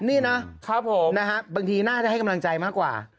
นี่นะบางทีน่าจะให้กำลังใจมากกว่า